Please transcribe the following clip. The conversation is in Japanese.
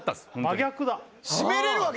真逆だ。